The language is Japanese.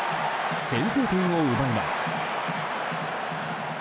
先制点を奪います。